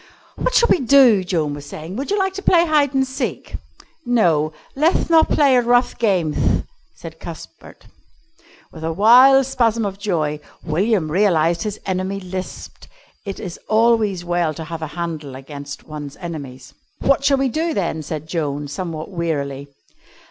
"What shall we do?" Joan was saying. "Would you like to play hide and seek?" "No; leth not play at rough gameth," said Cuthbert. With a wild spasm of joy William realised that his enemy lisped. It is always well to have a handle against one's enemies. "What shall we do, then?" said Joan, somewhat wearily.